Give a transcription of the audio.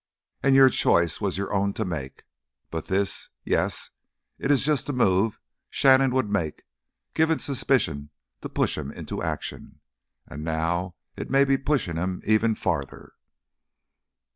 And your choice was your own to make. But this ... yes, it is just the move Shannon would make, given suspicion to push him into action. And now it may be pushing him even farther."